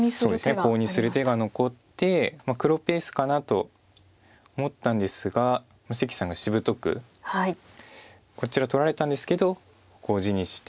コウにする手が残って黒ペースかなと思ったんですが関さんがしぶとくこちら取られたんですけどここを地にして。